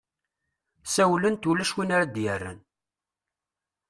ssawlent ula win ara ad-yerren